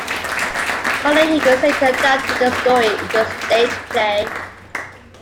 Colin Higgins later adapted the story into a stage play.